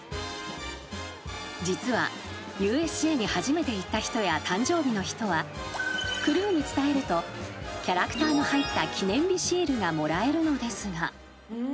［実はＵＳＪに初めて行った人や誕生日の人はクルーに伝えるとキャラクターの入った記念日シールがもらえるのですが］